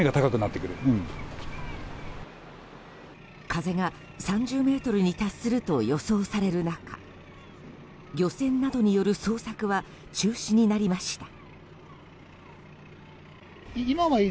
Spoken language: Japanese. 風が３０メートルに達すると予想される中漁船などによる捜索は中止になりました。